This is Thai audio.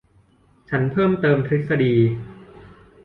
ฉันเพิ่มเติมทฤษฎี